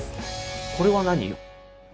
これは何？